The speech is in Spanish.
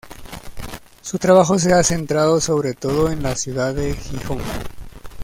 Su trabajo se ha centrado sobre todo en la ciudad de Gijón.